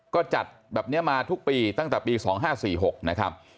ก็จัดแบบเนี้ยมาทุกปีตั้งแต่ปีสองห้าสี่หกนะครับ